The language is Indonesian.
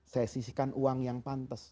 saya sisihkan uang yang pantes